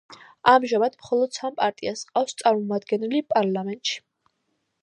ამჟამად მხოლოდ სამ პარტიას ჰყავს წარმოამდგენელი პარლამენტში.